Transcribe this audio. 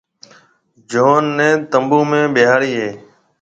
جان نيَ تنبوُ ۾ ٻيھاݪيَ ھيََََ